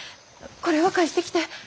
これは返してきて。